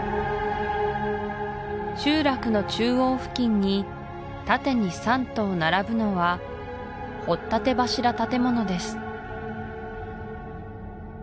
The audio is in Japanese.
集落の中央付近に縦に３棟並ぶのは掘立柱建物です